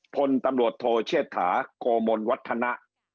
พลตำรวจโทเชษฐาโกมลวัฒนะ